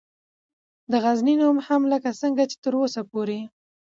دغزنی نوم هم لکه څنګه چې تراوسه پورې